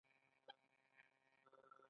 الکترون کوم ډول برقي چارچ لري.